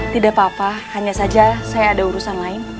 tidak apa apa hanya saja saya ada urusan lain